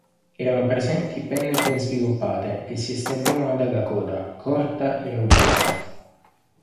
Erano presenti penne ben sviluppate che si estendevano dalla coda, corta e robusta.